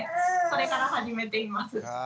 それから始めています。